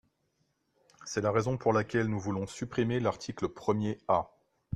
C’est la raison pour laquelle nous voulons supprimer l’article premier A.